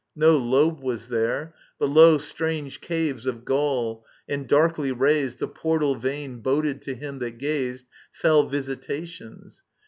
No lobe was there ; But lo, strange caves of gall, and, darkly raised. The portal vein boded to him that gazed Fell visitations.